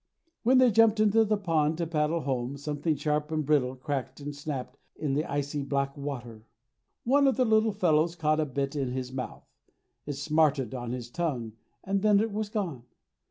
When they jumped into the pond to paddle home something sharp and brittle cracked and snapped in the icy black water. One of the little fellows caught a bit in his mouth. It smarted on his tongue and then it was gone.